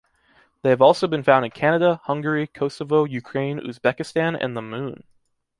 They have also been found in Canada, Hungary, Kosovo, Ukraine, Uzbekistan and the Moon.